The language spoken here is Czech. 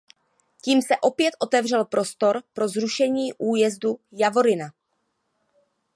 Tím se opět otevřel prostor pro zrušení újezdu Javorina.